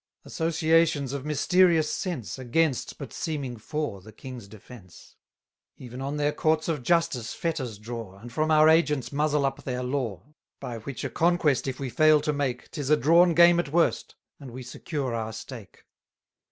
Associations of mysterious sense, 270 Against, but seeming for, the king's defence: Even on their courts of justice fetters draw, And from our agents muzzle up their law. By which a conquest if we fail to make, 'Tis a drawn game at worst, and we secure our stake.